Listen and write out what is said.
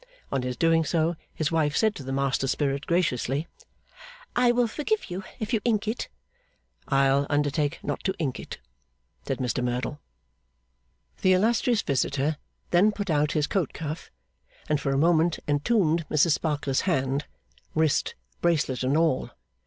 On his doing so, his wife said to the master spirit graciously: 'I will forgive you, if you ink it.' 'I'll undertake not to ink it,' said Mr Merdle. The illustrious visitor then put out his coat cuff, and for a moment entombed Mrs Sparkler's hand: wrist, bracelet, and all.